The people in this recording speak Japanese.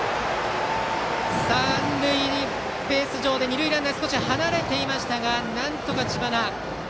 三塁ベース上で二塁ランナーは離れていましたがなんとか知花